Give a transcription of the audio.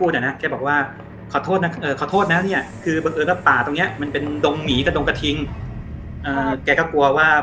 เด็กมันก็อย่างงี้แหละแกก็พูดอย่างงี้ไปนะหรอครับครับอ่า